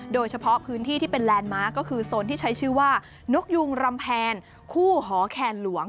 โดยเฉพาะพื้นที่ที่เป็นแลนด์มาร์คก็คือโซนที่ใช้ชื่อว่านกยุงรำแพนคู่หอแคนหลวง